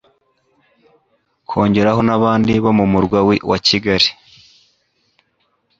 kongeraho nabandi bo mu murwa wa Kigali